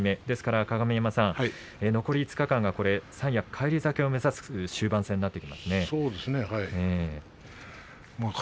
ですから鏡山さん残り５日間が三役返り咲きを目指す終盤戦にそうですね。